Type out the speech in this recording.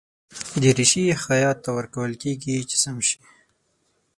دریشي خیاط ته ورکول کېږي چې سم شي.